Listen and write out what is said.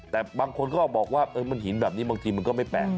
แต่บางคนก็บอกว่ามันหินแบบนี้บางทีมันก็ไม่แปลก